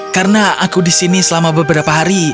karena aku di sini selama beberapa hari